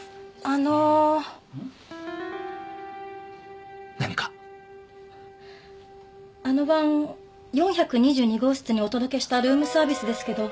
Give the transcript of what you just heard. あの晩４２２号室にお届けしたルームサービスですけど